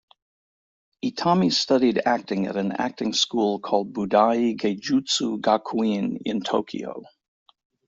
Itami studied acting at an acting school called Budai Geijutsu Gakuin in Tokyo.